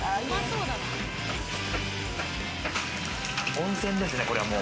温泉ですね、これはもう。